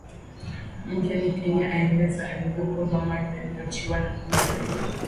Mjane Kenya aeleza alivyoporwa mali iliyoachiwa na mumewe